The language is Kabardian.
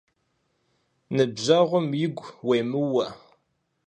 Ныбжъэгъум игу уемыуэ.